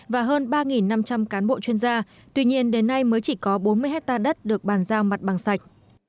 và hơn ba năm trăm linh cán bộ chuyên gia tuy nhiên đến nay mới chỉ có bốn mươi hectare đất được bàn giao mặt bằng sạch